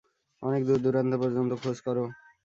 অনেক দূর-দূরান্ত পর্যন্ত খোঁজ করো।